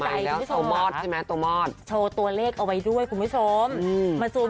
ไม่แล้วตัวหมอดใช่ไหมตัวหมอดโชว์ตัวเลขเอาไว้ด้วยคุณผู้ชมอืม